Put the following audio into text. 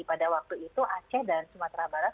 pada waktu itu aceh dan sumatera barat